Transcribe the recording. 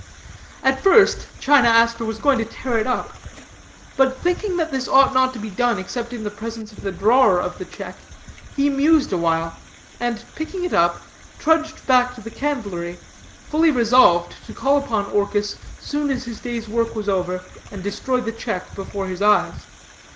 "At first, China Aster was going to tear it up, but thinking that this ought not to be done except in the presence of the drawer of the check, he mused a while, and picking it up, trudged back to the candlery, fully resolved to call upon Orchis soon as his day's work was over, and destroy the check before his eyes.